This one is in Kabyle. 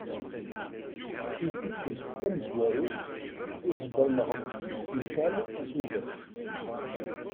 I tikkelt tamenzut i heddren ɣef yisental n tudert.